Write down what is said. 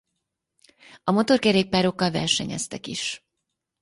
A motorkerékpárokkal versenyeztek is.